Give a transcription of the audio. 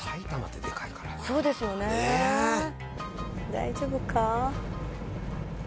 大丈夫か？